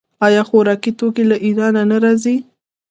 آیا خوراکي توکي له ایران نه راځي؟